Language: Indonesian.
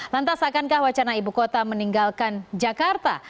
lantas akankah wacana ibu kota meninggalkan jakarta